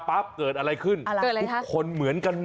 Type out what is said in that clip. ไปชั้น๙เนี่ย